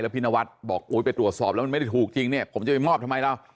พี่นวัดบอกไปตรวจสอบแล้วมันไม่ได้ถูกจริงเนี่ยผมจะไปมอบทำไมเรา